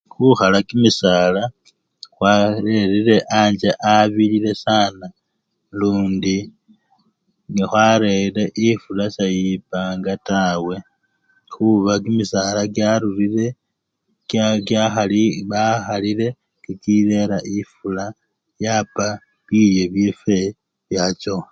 Khukhala kimisala khwarereire anche abilile sana lundi khwarerire efula seyipanga tawe khuba kimisala kyarurire kya kya! bakhalile, kikirera efula yapa bilyo byefwe byachowa.